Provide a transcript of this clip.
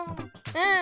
うん！